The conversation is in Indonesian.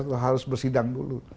itu harus bersidang dulu